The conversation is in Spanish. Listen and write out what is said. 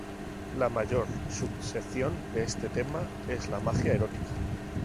La mayor subsección de este tema es la magia erótica.